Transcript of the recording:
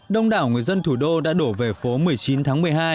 đông đảo người dân thủ đô đã đổ về phố một mươi chín tháng một mươi hai